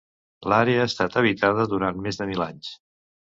L'àrea ha estat habitada durant més de mil anys.